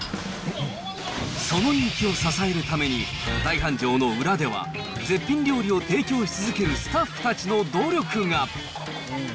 その人気を支えるために、大繁盛の裏では、絶品料理を提供し続けるスタッフたちの努力が。